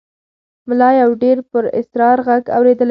ملا یو ډېر پراسرار غږ اورېدلی دی.